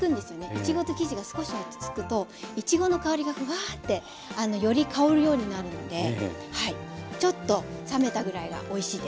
いちごと生地が少し落ち着くといちごの香りがフワーッてより香るようになるのではいちょっと冷めたぐらいがおいしいです。